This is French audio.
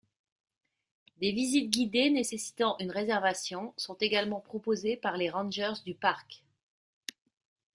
Des visites guidées nécessitant une réservation sont également proposées par les rangers du parc.